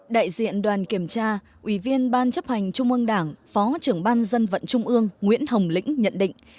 đại diện đoàn kiểm tra ủy viên ban chấp hành trung ương đảng phó trưởng ban dân vận trung ương nguyễn hồng lĩnh nhận định